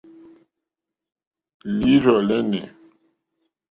Líǐrzɔ̀ lɛ́nɛ̀.